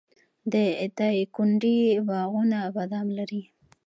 د دایکنډي باغونه بادام لري.